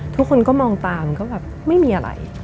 ทุกคนก็มองตามก็แบบไม่มีอะไร